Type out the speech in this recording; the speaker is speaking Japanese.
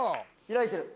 開いてる。